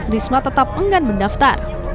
risma tetap enggan mendaftar